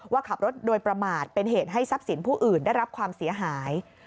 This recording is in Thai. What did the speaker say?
ว่าขับรถโดยประมาทเป็นเหตุให้ทรัพย์สินผู้อื่นได้รับความเสียหาย